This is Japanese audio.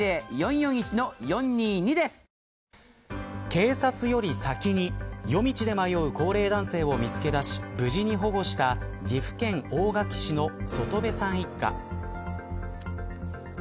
警察より先に夜道で迷う高齢男性を見つけだし無事に保護した岐阜県大垣市の外部さん一家。